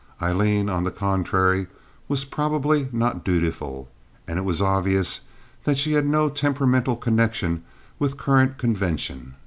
Aileen, on the contrary, was probably not dutiful, and it was obvious that she had no temperamental connection with current convention.